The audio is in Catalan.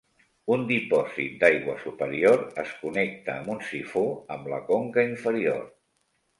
Un dipòsit d'aigua superior es connecta amb un sifó amb la conca inferior.